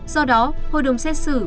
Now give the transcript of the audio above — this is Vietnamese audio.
do đó hội đồng xét xử